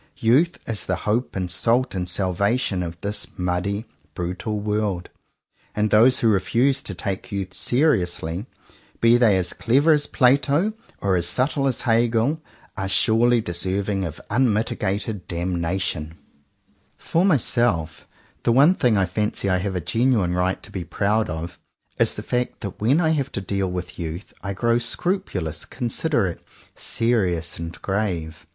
Youth is the hope and salt and salvation of this muddy, brutal world: and those who refuse to take youth seriously, be they as clever as Plato or as subtle as Hegel, are surely deserving of un mitigated damnation. 106 JOHN COWPER POWYS For myself, the one thing I fancy I have a genuine right to be proud of, is the fact that when I have to deal with youth I grow scrupulous, considerate, serious, and grave.